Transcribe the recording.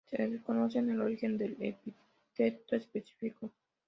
Se desconoce el origen del epíteto específico.